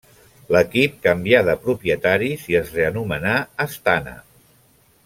L'equip canvià de propietaris i es reanomenà Astana.